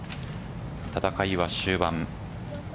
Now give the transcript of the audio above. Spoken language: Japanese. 戦いは終盤。